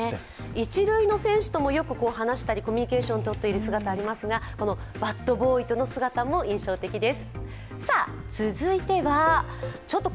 一塁の選手ともよく話したりコミュニケーションをとっている姿がありますが、バットボーイとの姿も印象的です。